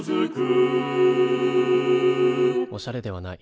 おしゃれではない。